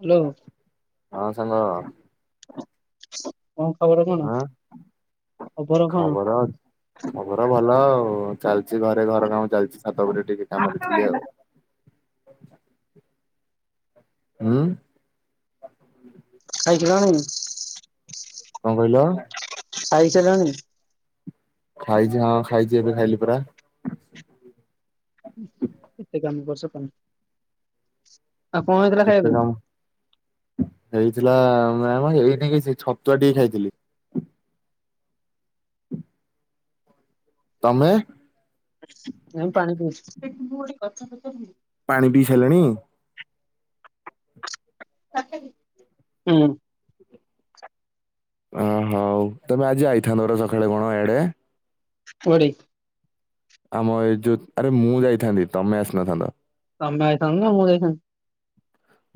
Hello ହଁ ସାଙ୍ଗ କଣ ଖବର କଣ? ହଁ ଖବର କଣ? ଖବର ଭଲ ଆଉ ଚାଲିଛି ଘରେ ଘର କାମ ଚାଲିଛି ଛାତ ଉପରେ ଟିକେ କାମରେ ଥିଲି ଆଉ। ହୁଁ ଖାଇ ସାରିଲଣି? କଣ କହିଲ? ସାଇ ସାରିଲଣି? ଖାଇଛି ହଁ ଖାଇଛି ଏବେ ଖାଇଲି ପରା। କେତେ କାମ କରିଛ କଣ? ଆଉ କଣ ହେଇଥିଲା କେତେ ଖାଇବାକୁ କାମ? ହେଇଥିଲା ଆମ ଏଇନ କିଛି ଛତୁଆ ଟିକେ ଖାଇଥିଲି। ତମେ? ଏ ପାଣି ପିଇଛି। ପାଣି ପିଇ ସାରିଲେଣି। ହୁଁ ଅ ହୋଉ ତମେ ଆଜି ଆଇଥାନ୍ତ ର ସକାଳେ କଣ ଏଆଡେ। କୁଆଡ଼େ? ଆମ ଏଇ ଯୋଉ ଆରେ ମୁଁ ଯାଇଥାନ୍ତି ତମେ ଆସିନଥାନ୍ତ। ତମେ ଆଇଥାନ୍ତ ନା ମୁଁ ଯାଇଥାନ୍ତି।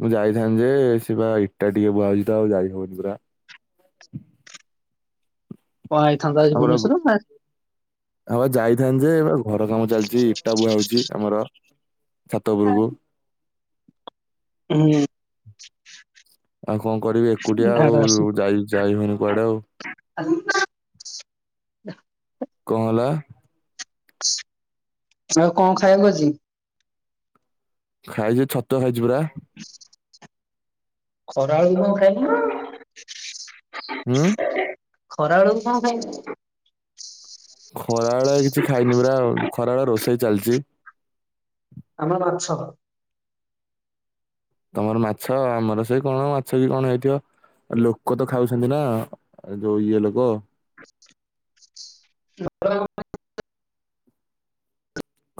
ମୁଁ ଯାଇଥାନ୍ତି ଯେ ସେ ବା ଇଟା ଟିକେ ବୁହାହଉଛି ତ ଆଉ ଯାଇ ହବନି ପୁରା। କଣ ଆଇଥାନ୍ତ ଆଜି ଆମର ଭୁବନେଶ୍ୱର ନା ହଁ ବା ଯାଇଥାନ୍ତ ଯେ ଏ ଘର କାମ ଚାଲିଛି ଇଟା ବୁହା ହଉଛି ଆମର ଛାତ ଉପୁରକୁ। ହୁଁ। ଆଉ କଣ କରିବି ଏକୁଟିଆ ଆଉ ଝାଡା ଆସୁଛି ଯାଇ ଯାଇ ହଉନି କୁଆଡେ ଆଉ। କଣ ହେଲା? ଆଉ କଣ ଖାଇଆକୁ ଆଜି? ଖାଇଛି ଛତୁଆ ଖାଇଛି ପରା। ଖରାବେଳୁକୁ କଣ [unintelligible] ଖରାବେଳକୁ ହୁଁ କଣ ଖାଇ ଖରାବେଳେ କିଛି ଖାଇନି ପରା ଖରାଏଳେ ରୋଷେଇ ଚାଲିଛି। ଆମର ମାଛ। ତମର ମାଛ ଆମର ସେଇ କଣ ମାଛ କି କଣ ହେଇଥିବ। ଲୋକ ତ ଖାଉଛନ୍ତି ନା ଯୋଉ ଇଏ ଲୋକ। [unintelligible]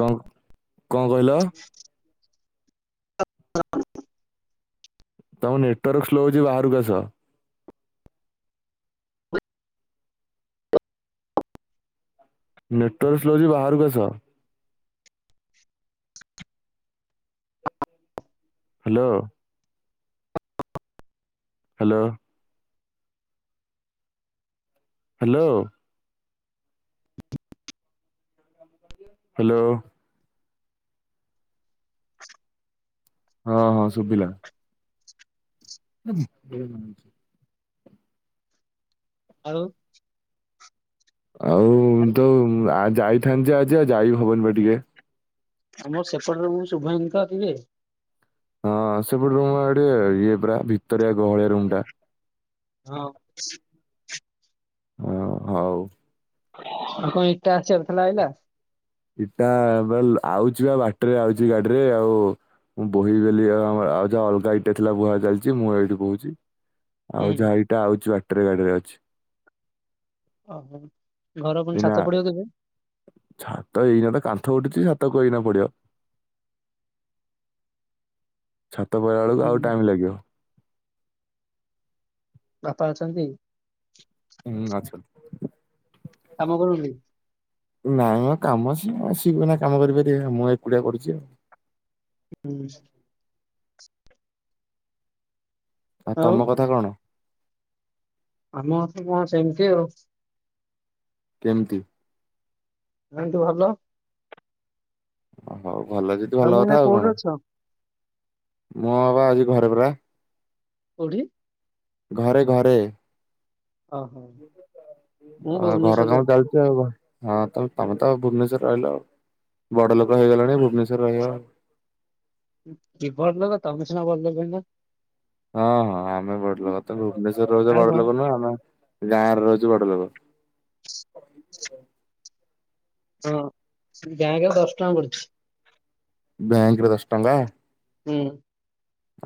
କଣ କଣ କହିଲ? [inaudible] ତମ ନେଟୱାର୍କ ସ୍ଲୋ ହଉଛି ବାହାରକୁ ଆସ। ନେଟୱାର୍କ ସ୍ଲୋ ଅଛି ବାହାରକୁ ଆସ। ହ୍ୟାଲୋ। ହ୍ୟାଲୋ। ହ୍ୟାଲୋ। ହ୍ୟାଲୋ। ହଁ ହଁ ଶୁବିଲା। [unintelligible] ଆଉ। ଆଉ ତ ଆ ଯାଇଥାନ୍ତି ଯେ ଆଜି ଆଉ ଯାଇହବନି ବା ଟିକେ। ଆମ ସେପଟରୁ [unintelligible] ହଁ ସେପଟେ ରୁମ୍ ପା ଟିକେ ଇଏ ପରା ଭିତରିଆ ଗହଳିଆ ରୁମ୍ ଟା। ହଁ। ହଁ ହଉ। ଆଉ କଣ ଇଟା ଆସିବାର ଥିଲା ଆଇଲା? ଇଟା ବାଲ୍ ଆଉଛି ବା ବାଟରେ ଆଉଛି ଗାଡିରେ ଆଉ ମୁଁ ବୋହିଦେଲି ଆ ଆଉ ଯାହା ଅଲଗା ଇଟା ଥିଲା ବୁହା ଚାଲିଛି ମୁଁ ଏଇଠୁ ବହୁଛି। ହୁଁ ଆଉ ଯାହା ଇଟା ଆଉଛି ବାଟରେ ଗାଡିରେ ଅଛି। ଓହୋ ଘର ପୁଣି ଏଇନା ଛାତ ପଡିବ କେବେ? ଛାତ ଏଇନା ତ କାନ୍ଥ ଉଠିଛି ଛାତ କୋଉ ଏଇନା ପଡିବ। ଛାତ ପଇଲା ବେଳକୁ ହୁଁ। ଆଉ ଟାଇମ୍ ଲାଗିବ। ବାପା ଅଛନ୍ତି? ହୁଁ ଅଛନ୍ତି। କାମ କରୁନି? ନାଇଁ ମ କାମ ସିଏ, ସିଏ ବି ଏଇନା କାମ କରିପାରିବେ ମୁଁ ଏକୁଟିଆ କରୁଛି ଆଉ। ହୁଁ। ଆଉ ତମ କଥା କଣ? ଆମ କଥା କଣ ସେମିତି ଆଉ। କେମିତି? ଏମିତି ଭଲ। ଓ ହଉ ଭଲ ଯଦି ଭଲ ତମେ ଏଇନା କଥା ଆଉ କୋଉଠି କଣ। ଅଛ? ମୁଁ ବା ଆଜି ଘରେ ପରା। କୋଉଠି? ଘରେ ଘରେ। ଓହୋ ମୁଁ ଆ ଘର ଭୁବନେଶ୍ୱରରେ କାମ ଅଛି ଚାଲିଛି ଆଉ ହଁ ତମ ତମେ ତ ଭୁବନେଶ୍ଵରରେ ରହିଲ ଆଉ ବଡ଼ଲୋକ ହେଇଗଲାଣି ଭୁବନେଶ୍ୱର ରହଗଲ କି ବଡଲୋକ ତମେ ସିନା ବଡ ଲୋକ ହେଇ। ହଁ ହଁ ଆମେ ବଡଲୋକ ତମେ ଭୁବନେଶ୍ଵରରେ ରହୁଛ ଆଉ କଣ ବଡଲୋକ ନୁହଁ ଆମେ ଗାଁରେ ରହୁଛୁ ବଡଲୋକ। ହଁ ବ୍ୟାଙ୍କ୍ ରେ ଦଶ ଟଙ୍କା ପଡିଛି। ବ୍ୟାଙ୍କରେ ଦସ ଟଙ୍କା। ହୁଁ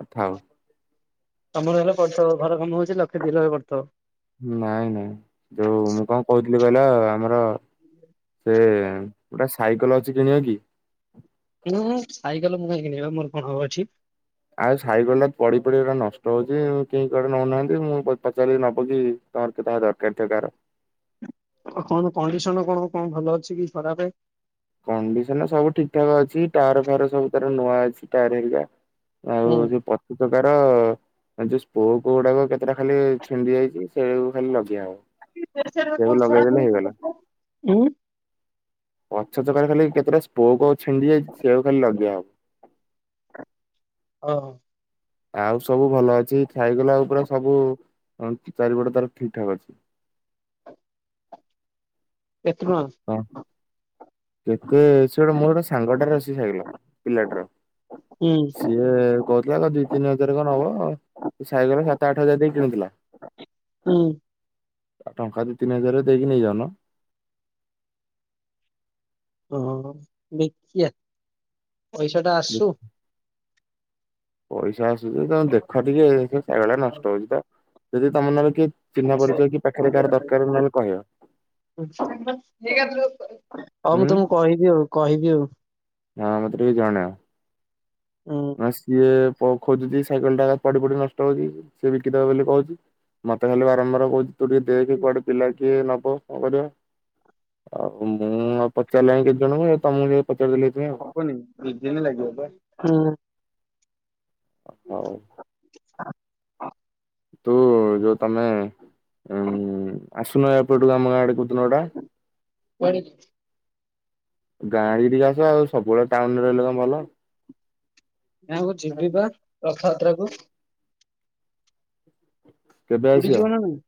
ଆଉ ଥାଉ। ତମର ହେଲେ ପଡିଥିବ ଘର କାମ ହଉଛି ଲକ୍ଷେ ଦି ଲକ୍ଷ ପଡ଼ିଥିବ। ନାଇଁ, ନାଇଁ ଯୋଉ ମୁଁ କଣ କହୁଥିଲି କହିଲ ଆମର ସେ ଗୋଟେ ସାଇକଲ ଅଛି କିଣିବା କି? ଉ ହୁଁ ସାଇକଲ ମୁଁ କାଇଁ କିଣିବି ବା ମୋର କଣ ହବ ଏଠି। ଆଉ ସାଇକଲଟା ପଡି ପଡି ନଷ୍ଟ ହଉଛି କେହି କଆଡେ ନଉନାହାନ୍ତି ମୁଁ ପଚାରିଲି ନବ କି? [unintelligible] ଦରକାର ଥିବ କାହାର। କଣ କଣ୍ଡିସନ କଣ କଣ ଭଲ ଅଛି କି ଖରାପେ। କଣ୍ଡିସନ ସବୁ ଠିକ ଠାକ ଅଛି ଟାୟାର ଫାୟାର ସବୁ ତାର ନୂଆ ଅଛି ଟାୟାର ହେରିକା। ଆଉ ହୁଁ। ଯୋଉ ପଛ ଚକାର ହେଇ ଯୋଉ ସ୍ପୋକ ଗୁଡାକ କେତେଟା ଖାଲି ଛିଣ୍ଡି ଯାଇଛି ସେଇଆ କୁ ଖାଲି ଲଗେଇଆ ହବ। ସେଇଆକୁ ଲଗେଇଦେଲେ ହେଇଗଲା। [unintelligible] ଉଁ। ପଛ ଚକା ରେ ଖାଲି କେତେଟା ସ୍ପୋକ ଛିଣ୍ଡି ଯାଇଚି ସେଆକୁ ଖାଲି ଲଗେଇଆ ହବ। ଅ ହ। ଆଉ ସବୁ ଭଲ ଅଛି ସାଇକଲ ଆଉ ପୁରା ସବୁ ଚାରିପଟେ ତାର ଠିକ ଠାକ୍ ଅଛି। ଏତେ ଟଙ୍କା। ହଁ। କେତେ ସେ ଗୋଟେ ମୋର ଗୋଟେ ସାଙ୍ଗ ଟାର ଅଛି ସାଇକଲ ପିଲାଟାର। ଉଁ ସିଏ କହୁଥିଲା ଦି ତିନି ହଜାର କଣ ନ ନବ ସେ ସାଇକଲ ସାତ ଆଠ ହଜାର ଦେଇକି କିଣୁଥିଲା। ହୁଁ। ଆଉ ଟଙ୍କା ଦୁଇ ତିନି ହଜାରରେ ଦେଇକି ନେଇଯାଉନ। ଓହୋ ଦେଖିଆ ପଇସା ଟା ଆସୁ। ପଇସା ଆସୁଛି ତମ ଦେଖ ଟିକେ ସାଇକଲ ଟା ହଉ ନଷ୍ଟ ହଉଛି ତ ଯଦି ତମ ନହେଲେ କିଏ ଚିହ୍ନା ପରିଚୟ କି ପାଖରେ କାହାର ଦରକାର ନହେଲେ କହିବ। ହଉ ମୁଁ ହୁଁ ତମକୁ କହିବି ଆଉ କହିବି ଆଉ। ହଁ ମତେ ଟିକେ ଜଣଇବ। ନ ହୁଁ। ହେଲେ ସିଏ ଖୋଜୁଛି ସାଇକେଲ ଟା ପଡି ପଡି ନଷ୍ଟ ହଉଛି ସିଏ ବିକିଦବେ ବୋଲି କହୁଛି। ମତେ ଖାଲି ବାରମ୍ବାର କହୁଚି ତୁ ଟିକେ ଦେଖ କଆଡେ ପିଲା କିଏ ନବ କଣ କରିବ। ଆଉ ମୁଁ ପଚାରିଲେଣି କେତେ ଜଣଙ୍କୁ ତମକୁ ଟିକେ ପଚାରି ଦେଲି ସେଥିପାଇଁ ଆଉ। ହବନୀ ଉଜନ ଲାଗିବ ବା ହୁଁ। ହଉ [unintelligible] ତୁ ଯୋଉ ତମେ ଉ ଆସୁନ ଏପଟ କୁ ଆମ ଗାଁ ଆଡକୁ। କନୋଡ଼ା। କୁଆଡେ ଗାଁ ଆଡି କି ଟିକେ ଆସ ଆଉ ସବୁବେଳେ ଟାଉନରେ ରହିଲେ କଣ ଭଲ। ନା ମୁଁ ଯିବିି ବା ରଥଯାତ୍ରା କୁ। କେବେ ପୁରୀ ଆସିବ? ଯିବ ନା ନାଇଁ।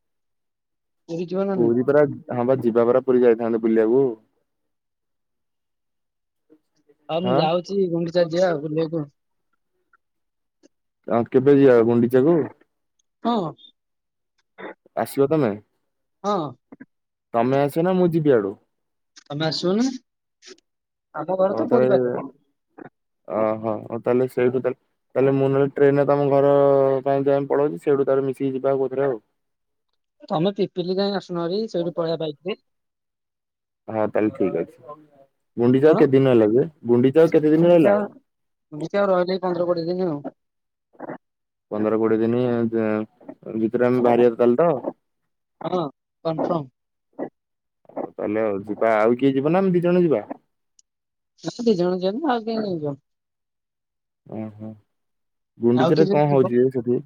ପୁରୀ ଯିବ ନା ନାଇଁ? ପୁରୀ ପରା ହଁ ବା ଯିବା ପରା ପୁରୀ ଯାଇଥାନ୍ତେ ବୁଲିବାକୁ। ହଉ ମୁଁ ହଁ। ଯାଉଛି ଗୁଣ୍ଡିଚା ଯିବା ଆଉ ବୁଲିବାକୁ। ଆଁ କେବେ ଯିବା, ଗୁଣ୍ଡିଚାକୁ? ହଁ। ଆସିବ ତମେ? ହଁ। ତମେ ଆସିବ ନା ମୁଁ ଯିବି ଆଡୁ? ତମେ ଆସିବ ନା? ହଉ ତାହେଲେ, ଅ ହୋଉ ତାହେଲେ, ସେଇଠୁ ତାଲେ ତାହଲେ ମୁଁ ନହେଲେ ଟ୍ରେନ୍ ତମ ଘର ପାଇଁ ଯା ପଳଉଚି, ସେଇଠୁ ତାରେ ମିଶିକି ଯିବା ଆଉ କଉଥିରେ ଆଉ? ତମେ ପିପିଲି ଯାଏଁ ଆସୁନ ହାରି, ସେଇଠୁ ପଳେଇଆ ବାଇକ୍ ରେ। ହଁ ତାହେଲେ ଠିକ୍ ଅଛି, ଗୁଣ୍ଡିଚା କଣ? ଆଉ କେତେ ଦିନି ରହିଲା ଯେ, ଗୁଣ୍ଡିଚା ଆଉ କେତେ ଦିନି ଗୁଣ୍ଡିଚା ରହିଲା? ଆଉ ଗୁଣ୍ଡିଚା ଆଉ ରହିଲା ଏଇ ପନ୍ଦର କୋଡିଏ ଦିନି ଆଉ। ପନ୍ଦର କୋଡିଏ ଦିନି, [unintelligible] ଭିତରେ ଆମେ ବାହାରିବା ତାହେଲେ ତ? ହଁ କନଫର୍ମ। ହଉ ତାହେଲେ ଆଉ ଯିବା, ଆଉ କିଏ ଯିବା ନା? ଆମେ ଦି ଜଣ ଯିବା। ଦିଇ ଜଣ ଯିଅନି, ଆଉ କେହି ନେଇଯିବ? ଓହୋ, ଆଉ କିଏ ଗୁଣ୍ଡିଚରେ ଯଦି କଣ ଯିବ ହଉଚି କି ସେଠି?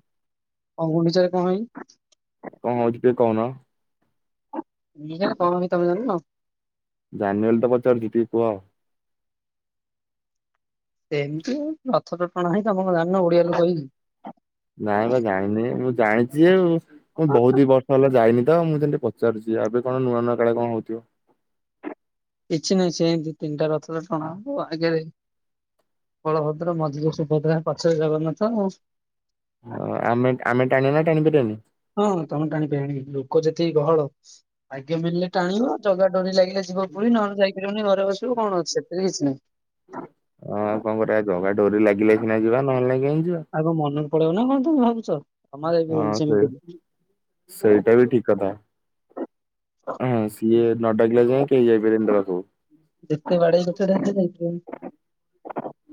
ଆଉ ଗୁଣ୍ଡିଚାରେ କଣ ହେଇ କଣ ହଉଚି ଟିକେ କହୁନ? ମୁଁ ଯାହା କହୁଚି ତମେ ଜାଣିନ? ଜାଣିନି ବୋଲି ତ ପଚାରୁଚି, ଟିକେ କୁହ? ସେମିତି ରଥ ତ ଟଣା ହୁଏ, ତମେ କଣ ଜାଣିନ ଓଡିଆ ଲୋକ ହେଇକି। ନାଇଁ ବା ଜାଣିନି, ମୁଁ ଜାଣିଛି ଆଉ, ମୁଁ ବହୁତ ଦି ବର୍ଷ ହେଲା ଯାଇନି ତ, ମୁଁ ସେମତି ପ ପଚାରୁଚି, ଆ ଏବେ କଣ ନୂଆ ନୂଆ କାଳେ କଣ ହଉଥିବ? କିଛି ନାହିଁ ସେମିତି, ତିନିଟା ରଥଟା ଟଣା ହବ ଆଉ ଆଗରେ? ବଳଭଦ୍ର, ମଝିରେ ସୁଭଦ୍ରା, ପଛରେ ଜଗନ୍ନାଥ ଆଉ। ଓ ଆମେ ଆମେ ଟାଣିବା, ନା ଟାଣିପାରିବାନି। ହଁ ତମେ ଟାଣିପାରବ ହେଣିକି, ଲୋକ ଯେତିକି ଗହଳ [inaudible] ଆଜ୍ଞା ମିଳିଲେ ଟାଣିବ, ଜଗା ଡୋରି ଲାଗିଲେ ଯିବ ପୁରି, ନହେଲେ ଯାଇପାରିବନି, ଘରେ ବସିବ, କଣ ଅଛି, ସେଥିରେ କିଛି ନାହିଁ। ହଁ ଆଉ କଣ କରିବା, ଜଗା ଡୋରି ଲାଗିଲେ ସିନା ଯିବା, ନହେଲେ ନାଇଁ କାହିଁ ଯିବା? ଆଉ କଣ ମନକୁ ପଳେଇବ ନା କଣ ତମେ ଭାବୁଚ? ହଁ ସେଇ, ସେଇଟା ବି ଠିକ୍ କଥା। ହଁ ସିଏ ନଡାକିଲା ଯାଏଁ, କେହି ଯାଇ ପାରିବେନି ତାପାଖକୁ। ଯେତେ ବାଡ଼େଇ କଚାଡି ହେଲେ ଯାଇପାରିବନି।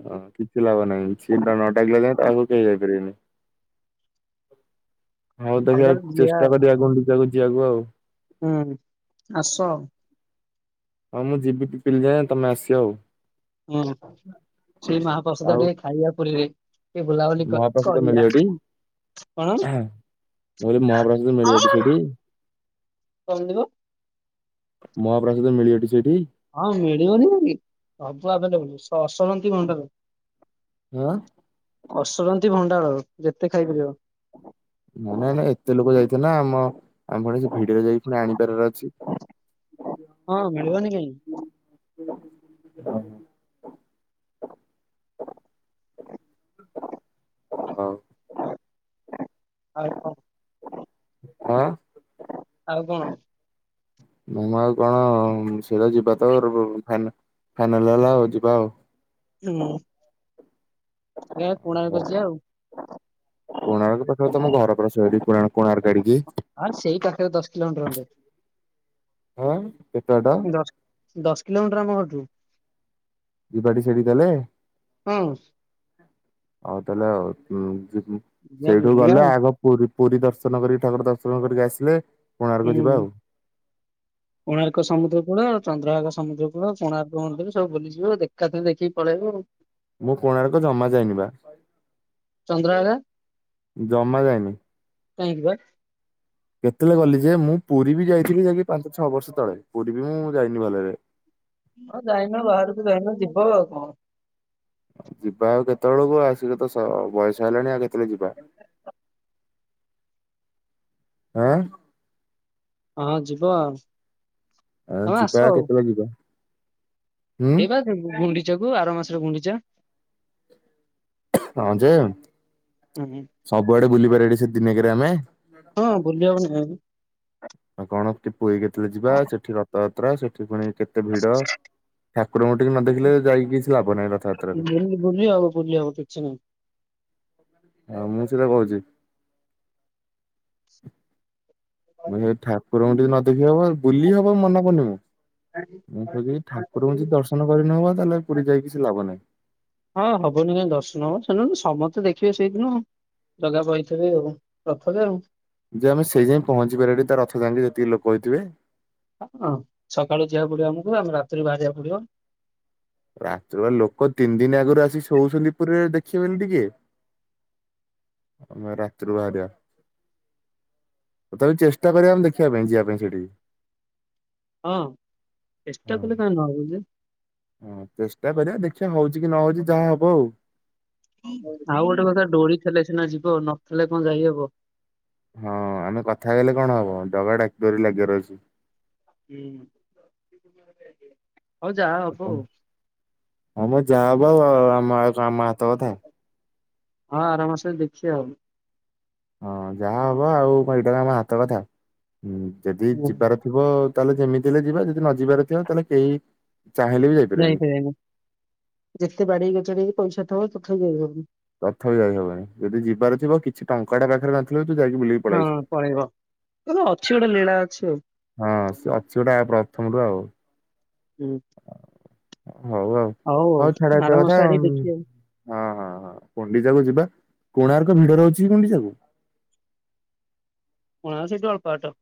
ହଁ କିଛି ଲାଭ ନାହିଁ, ସିଏ ନ ଡାକିଲା ଯାଏଁ, ତା ପାଖକୁ କେହି ଯାଇପାରିବେନି। ହଉ ଅଲଗା ଦେଖିବା ଯିବା ଚେଷ୍ଟା ଆଉ। କରିବା ଗୁଣ୍ଡିଚାକୁ ଯିବାକୁ ଆଉ। ହୁଁ, ଆସ। ହଁ ମୁଁ ଯିବି ପିପିଲି ଯାଏ, ତମେ ଆସିବ ଆଉ। ହୁଁ, ସେଇ ମହାପ୍ରସାଦ ଆଉ ଟିକେ ଖାଇବା ପୁରୀରେ। ଏ ବୁଲାବୁଲି କ ମହାପ୍ରସାଦ ମିଳିବ କରିଆ, ଟି? କଣ? ମୁଁ କହିଲି ମହାପ୍ରସାଦ ମିଳିବ ଟି ସେଇଠି? କଣ [unintelligible] ମହାପ୍ରସାଦ ମିଳିଅଟି ସେଇଠି? ହଁ ମିଳିବନି କାହିଁକି, ସବୁ ଆଭେଲେବୁଲ୍, ସେ ଅସରନ୍ତି ଭଣ୍ଡାର। ଆଁ ଅସରନ୍ତୀ ଭଣ୍ଡାର ଯେତେ ଖାଇପାରିବ ନାଇଁ ନାଇଁ ନାଇଁ ଏତେ ଲୋକ ଯାଇଥିବେ ନା ଆମ ଆମେ ପଣି ସେ ଭିଡିରେ ଯାଇକି ପୁଣି ଆଣିିବାରାର ଅଛି। ହଁ ମିଳିବନି କାଇହିଁ ହଉ ହଉ ହଉ ହଁ। ହଁ। ଆଉ କଣ ନା ମୁଁ ଆଉ କଣ ସେଟା ଯିବା ତ ଫାଇନାଲ ହେଲା ଆଉ ଯିବା ଆଉ ନୂଆ ଆଜ୍ଞା କୋଣାର୍କ ହଉ ଯିବା ଆଉ କୋଣାର୍କ ପାଖରେ ତମ ଘର ପରା ସେଇଠି କୋଣାର୍କାଆଡିକି ଆଁ ସେଇ ପାଖରେ ଦଶ କିଲେ ମିଟର ଖଡେ ହଁ ଏତେ ବାଟ ଦଶ ଦଶ କିଲୋମିଟର ଆମ ଘରରୁ ଯିବାଟି ସେଠି ଦେଲେ ହଁ ଆଉ ତାହେଲେ ଆଉ ଯିବା ସେଇଠୁ ବୁଲିବା ଗଲେ ଆଉ ଆଗ ପୁର ପୁରୀ ଦର୍ଶନ କରି ଠାକୁର ଦର୍ଶନ କରିକି ଆସିଲେ। କୋଣାର୍କ ହୁଁ। ଯିବା [inaudible] କୋଣାର୍କ ସମୁଦ୍ର କୂଳ ଚନ୍ଦ୍ରଭାଗ ସମୁଦ୍ର କୂଳ କୋଣାର୍କ ମନ୍ଦିର ସବୁ ବୁଲିଯିବ ଦେଖ ଏକା ଥରେ ଦେଖିକି ପଳେଇବୁ ଆଉ ମୁଁ କୋଣାର୍କ ଜମା ଯାଇନି ବା ଚନ୍ଦ୍ରଭାଗା ଜମା ଯାଏନି। କାହିଁକି ବା କେତେବେଳେ ଗଲି ଯେ ମୁଁ ପୁରୀ ବି ଯାଇଥିଲି ଯାଇକି ପାଞ୍ଚ ଛଅ ବର୍ଷ ତଳେ ପୁରୀ ବି ମୁଁ ଯାଇନି ଭଲରେ ହଁ ଯାଇନ ବାହାରକୁ ଯାଇନ ଯିବ ଆଉ କଣ। ଯିବା ଆଉ କେତେବେଳକୁ ଆସିକତ ବୟସ ହେଲାଣି ଆଉ କେତେବେଳେ ଯିବା। ହଁ। ହଁ ଯିବ ଆଉ। ଆ ତମେ ଆସ ଯିବା ଆଉ କେତେବେଳେ ଯିବା। ହୁଁ ଏଇ ବା ଗୁଣ୍ଡିଚା କୁ ଆର ମାସରେ ଗୁଣ୍ଡିଚା ହଁ ଯେ ହୁଁ ହୁଁ। ସବୁଆଡେ ବୁଲି ପାରିବାଟି ସେ ଦିନ କରେ ଆମେ ହଁ ଭୁଲି ହବନି କହାକୁ। ଆଉ କଣ କି ପୁରୀ କେତେଳେ ଯିବା ସେଠି ରଥଯାତ୍ରା ସେଠି ପୁଣି କେତେ ଭିଡ ଠାକୁରଙ୍କୁ ଟିକେ ନ ଦେଖିଲେ ଯାଇକି କିଛି ଲାଭ ନାହିଁ ରଥଯାତ୍ରାରେ ବୁଲି ବୁଲି ହବ ବୁଲି ହବ କିଛି ନାହଁ। ହଁ ମୁଁ ସେଟା କହୁଛି ମୁଁ ନାହିଁ। ସେଇ ଠାକୁରଙ୍କୁ ଟିକେ ନ ଦେଖି ହବ ବୁଲି ହବ ମନା କରୁନି ମୁଁ ହଁ ମୁଁ କହୁଛିି କି ଠାକୁରଙ୍କୁ ଯଦି ଦର୍ଶନ କରିନହବ ତାହେଲେ ପୁରୀ ଯାଇକ କିଛି ଲାଭ ନାହିଁ। ହଁ ହବନି କାଇଁ ଦର୍ଶନ ହବ ସେଣୁ ସମସ୍ତେ ଦେଖିବେ ସେଇଦିନ ଆଉ ଜଗା ବହିଥିବେ ଆଉ ରଥରେ ଆଉ ଯେ ଆମେ ସେଇ ଯାଇଁ ପହଞ୍ଚି ପାରିବା ଟି ତାର ରଥ ଯାଇକି ଯେତିକି ଲୋକ ହେଇଥିବେ। ହଁ ହଁ ସକାଳୁ ଯିବାକୁ ପଡିବ ଆମକୁ ଆମେ ରାତିରୁ ବାହାରିବାକୁ ପଡିବ ରାତି ଲୋକ ତିନି ଦିନ ଆଗରୁ ଆସି ଶୋଉଛନ୍ତି ପୁରୀ ଦେଖିବନି ଟିକେ। ଆମେ ରାତିରୁ ବାହାରିବା। ତଥାପି ଚେଷ୍ଟା କରିବା ଆମେ ଦେଖିବା ପାଇଁ ଯିବା ପାଇଁ ସେଠି। ହଁ ହଁ ଚେଷ୍ଟା କଲେ କା ନବୁ ଯେ। ହଁ ଚେଷ୍ଟା କରିବା ଦେଖିବା ହଉଛି କି ନ ହଉଛି ଯାହା ହବ ଆଉ। ଆଉ ଗୋଟେ କଥା ଡୋରି ଥିଲେ ସିନା ଯିବ ନଥିଲେ କଣ ଯାଇହବ? ହଁ ଆମେ କଥା କହିଲେ କଣ ହବ ଜଗା ଡାକରି ଡୋରି ଲାଗିବାର ଅଛି। ହୁଁ ହଉ ଯାହା ହବ ଆଉ ହମ ଯାହା ହବ ଆମ କାମ ଆମ ହାତ କଥାଏ ହଁ ଆରାମାସରେ ଦେଖିବା ଆଉ ହଁ ଯାହା ହବ ଆଉ [unintelligible] ଏଇଟା ଆମ ହାତ କଥା ଯଦି ଆଉ। ଯିବାର ଥିବ ତାହେଲେ ଯେମିତି ହେଲେ ଯିବା ଯଦି ନ ଯିବାରେ ଥିବ ତାହେଲେ କେହି ଚାହିଁଲେ ବି ଯାଇପାରିବାନି। ଯାଇପାରିବେନି ଯେତେ ବାଡି କଚଡି ପଇସା ଥବ ତଥାପି ଯାଇ ହବନି ତଥାପି ଯାଇ ହବନି ଯଦି ଯିବାର ଥିବ କିଛି ଟଙ୍କାଟା ପାଖରେ ନଥିଲେ ତୁ ଯାଇକି ବୁଲିକି ହଁ ପଳେଇ ଆସୁ ପଳେଇବ। [unintelligible] ଅଛି ଗୋଟେ ଲୀଳା ଅଛି ଆଉ ହଁ ସେ ଅଛି ଗୋଟେ ପ୍ରଥମରୁ ଆଉ ହୁଁ ହଉ ଆଉ ହଉ ଛାଡ ଆଉ ଏଇତ ଆର କଥା ମାସ ହଁ ଆଡିକି ଦେଖିବା ହଁ ହଁ କୁଣ୍ଡିଚାକୁ ଯିବା କୋଣାର୍କ ଭିଡ ର ଅଛି ଗୁଣ୍ଡିଚାକୁ ହଣ [unintelligible] ସେଇ ଅଳପାଟ